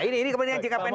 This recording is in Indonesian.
nah ini kepentingan jkpnd